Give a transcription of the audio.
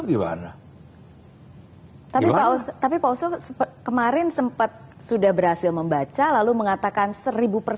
gimana hai tapi mau tapi kau sempet kemarin sempat sudah berhasil membaca lalu mengatakan seribu yakin